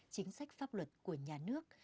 chính sách pháp luật của nhà nước